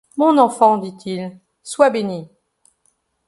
Mon enfant, dit-il, sois béni !..